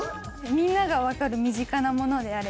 みんなが分かる身近なものであれば。